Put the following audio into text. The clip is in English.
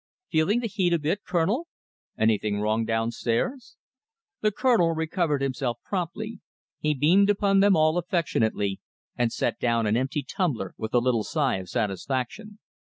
"Feeling the heat a bit, Colonel?" "Anything wrong downstairs?" The Colonel recovered himself promptly. He beamed upon them all affectionately, and set down an empty tumbler with a little sigh of satisfaction.